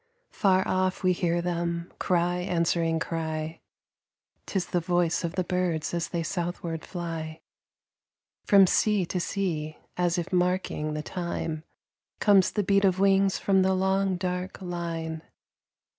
Far off we hear them, cry answering cry: 'Tis the voice of the birds as they southward fly. From sea to sea, as if marking the time, Comes the beat of wings from the long, dark line.